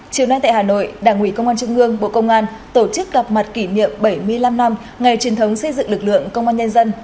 chiều nay tại hà nội đảng ủy công an trung ương bộ công an tổ chức gặp mặt kỷ niệm bảy mươi năm năm ngày truyền thống xây dựng lực lượng công an nhân dân